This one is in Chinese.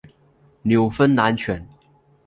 纽芬兰犬。